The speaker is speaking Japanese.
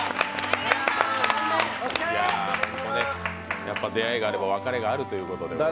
いや、やっぱ出会いがあれば別れがあるということで。